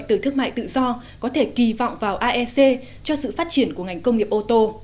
từ thương mại tự do có thể kỳ vọng vào aec cho sự phát triển của ngành công nghiệp ô tô